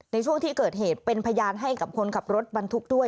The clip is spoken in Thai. ในช่วงที่เกิดเหตุเป็นพยานให้กับคนขับรถบรรทุกด้วย